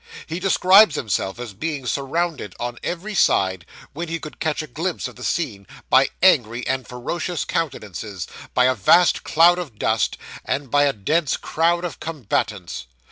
He describes himself as being surrounded on every side, when he could catch a glimpse of the scene, by angry and ferocious countenances, by a vast cloud of dust, and by a dense crowd of combatants.